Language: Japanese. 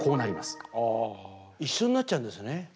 ああ一緒になっちゃうんですね。